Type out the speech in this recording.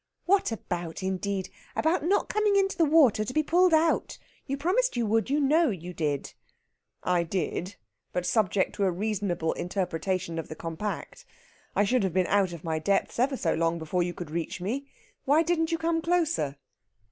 "What about, indeed? About not coming into the water to be pulled out. You promised you would, you know you did!" "I did; but subject to a reasonable interpretation of the compact. I should have been out of my depth ever so long before you could reach me. Why didn't you come closer?"